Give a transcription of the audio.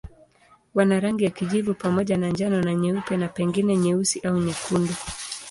Wana rangi ya kijivu pamoja na njano na nyeupe na pengine nyeusi au nyekundu.